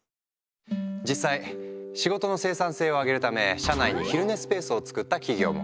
実際仕事の生産性を上げるため社内に昼寝スペースを作った企業も。